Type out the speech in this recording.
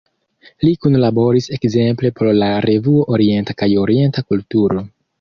Li kunlaboris ekzemple por "La Revuo Orienta" kaj "Orienta Kulturo".